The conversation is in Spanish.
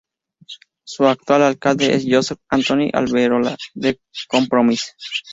Su actual alcalde es Josep Antoni Alberola, de Compromís.